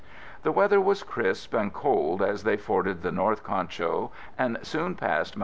The weather was crisp and cold as they forded the North Concho and soon passed Mt.